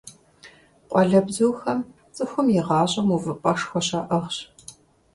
Къуалэбзухэм цӀыхум и гъащӀэм увыпӀэшхуэ щаӀыгъщ.